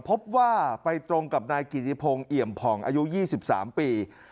พบว่าไปตรงกับนายกิจิพงศ์เหี่ยมพ่องอายุยี่สิบสามปี